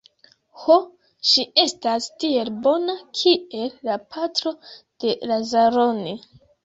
Ho, ŝi estas tiel bona kiel la patro de Lazaroni.